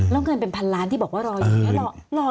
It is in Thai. แล้วเงินเป็นแพันล้านบาทที่บอกว่ารออยู่ขอเวลา